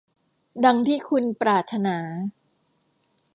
ดังที่คุณปรารถนา